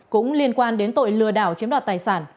cũng liên quan đến tội lừa đảo chiếm đoạt tài sản